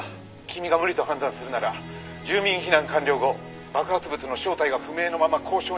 「君が無理と判断するなら住民避難完了後爆発物の正体が不明のまま交渉に入る」